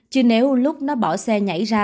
chứ nếu lúc nó bỏ xe nhảy ra